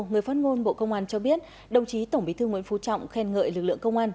người phát ngôn bộ công an cho biết đồng chí tổng bí thư nguyễn phú trọng khen ngợi lực lượng công an